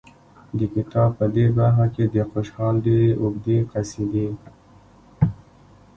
د کتاب په دې برخه کې د خوشحال ډېرې اوږې قصیدې